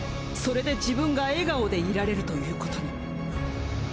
それで自分が笑顔でいられるということに。